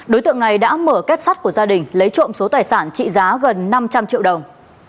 đối tượng này đã mở kết sắt của gia đình lấy trộm số tài sản trị giá gần năm trăm linh triệu đồng